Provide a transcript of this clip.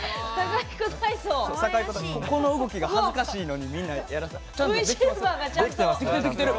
この動きが恥ずかしいのにみんなやらされてる。